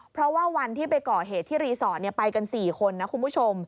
เพราะว่าวันที่ไปก่อเหตุที่รีสอร์ทไปกัน๔คนนะคุณผู้ชม